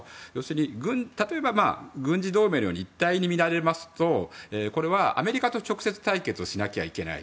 例えば軍事同盟のように一体に見られますとアメリカと直接対決しなきゃいけない。